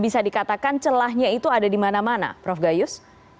bisa dikatakan celahnya itu ada dimana mana prof gayus